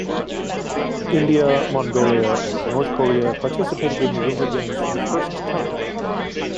India, Mongolia, and North Korea participated in the Winter Games for the first time.